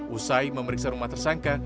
usai memeriksa rumah tersangka